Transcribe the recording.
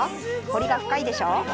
彫りが深いでしょ？